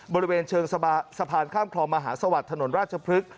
บริเวณเชิงสะพานข้ามคลองมหาสวัสดิ์ถนนราชพฤกษ